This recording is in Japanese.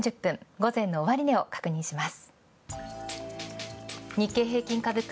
午前の終値を確認します。